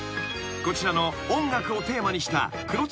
［こちらの音楽をテーマにした］